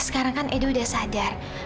sekarang kan edi udah sadar